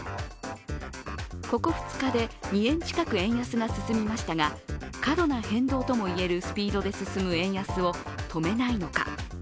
ここ２日で２円近く円安が進みましたが、過度な変動ともいえるスピードで進む円安を止めないのか。